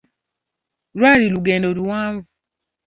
Lwali lugendo luwanvu.